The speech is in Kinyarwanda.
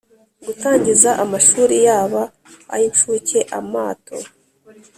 Gutangiza amashuri yaba ay incuke amato